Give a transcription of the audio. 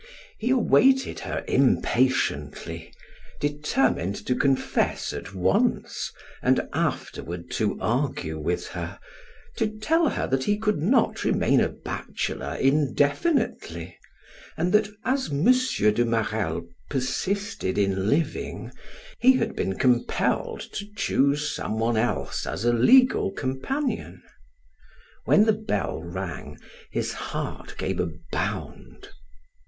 He awaited her impatiently, determined to confess at once and afterward to argue with her, to tell her that he could not remain a bachelor indefinitely, and that, as M. de Marelle persisted in living, he had been compelled to choose some one else as a legal companion. When the bell rang, his heart gave a bound.